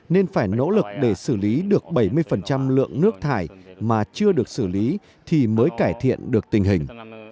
nên phải nỗ lực để xử lý được bảy mươi lượng nước thải mà chưa được xử lý thì mới cải thiện được tình hình